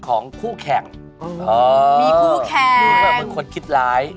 มีคู่แข่งมีคนคิดร้าย